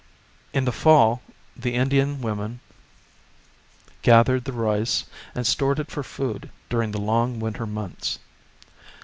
In the fall the Indian women gathered the rice and stored it for food during the long winter months.